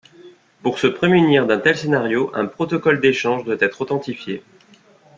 Pour se prémunir d'un tel scénario, un protocole d'échange doit être authentifié.